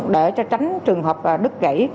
để tránh trường hợp đứt gãy